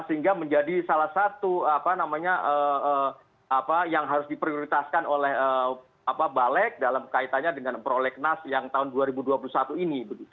sehingga menjadi salah satu yang harus diprioritaskan oleh balik dalam kaitannya dengan prolegnas yang tahun dua ribu dua puluh satu ini